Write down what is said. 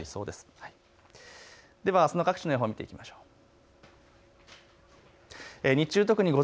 ではあすの各地の予報を見ていきましょう。